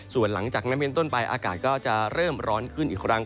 ส่วนหลังจากนั้นเป็นต้นไปอากาศก็จะเริ่มร้อนขึ้นอีกครั้ง